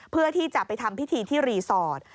เพื่อที่จะไปทำพิธีที่รีสอร์ท